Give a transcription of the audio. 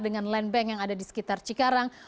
dengan land bank yang ada di sekitar cikarang